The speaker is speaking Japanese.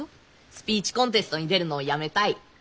スピーチコンテストに出るのをやめたい！